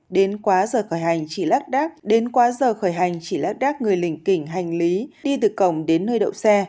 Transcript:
đến quá giờ khởi hành chỉ lát đát người lỉnh kỉnh hành lý đi từ cổng đến nơi đậu xe